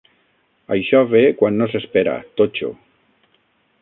Això ve quan no s'espera, totxo.